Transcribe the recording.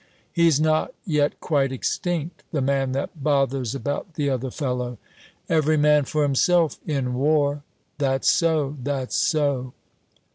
"He's not yet quite extinct, the man that bothers about the other fellow." "Every man for himself, in war!" "That's so, that's so."